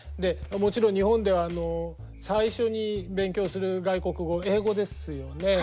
もちろん日本では最初に勉強する外国語英語ですよね。